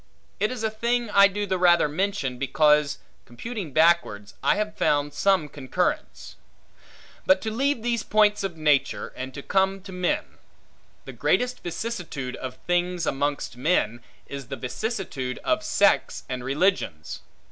It is a thing I do the rather mention, because, computing backwards, I have found some concurrence. But to leave these points of nature, and to come to men. The greatest vicissitude of things amongst men, is the vicissitude of sects and religions.